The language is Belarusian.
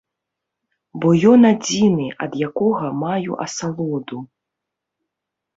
Бо ён адзіны, ад якога маю асалоду.